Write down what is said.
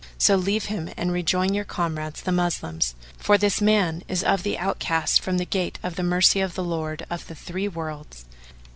So leave him and rejoin your comrades the Moslems, for this man is of the outcasts from the gate of the mercy of the Lord of the Three Worlds!